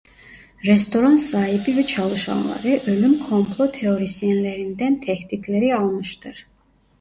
Restoran sahibi ve çalışanları ölüm komplo teorisyenlerinden tehditleri almıştır.